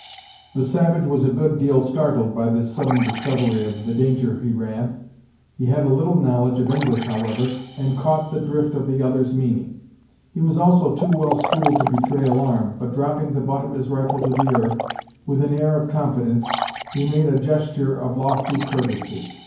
The savage was a good deal startled by this sudden discovery of the danger he ran. He had a little knowledge of English, however, and caught the drift of the other's meaning. He was also too well schooled to betray alarm, but, dropping the butt of his rifle to the earth, with an air of confidence, he made a gesture of lofty courtesy.